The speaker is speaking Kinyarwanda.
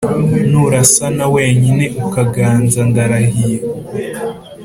nurasana wenyine ukaganza, ndarahiye.